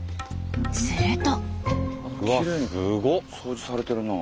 すると。